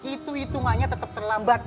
itu hitungannya tetap terlambat